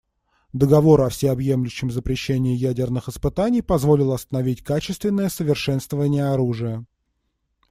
Договор о всеобъемлющем запрещении ядерных испытаний позволил остановить качественное совершенствование оружия.